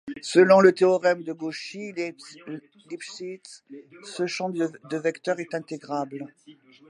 Selon le théorème de Cauchy-Lipschitz, ce champ de vecteur est intégrable.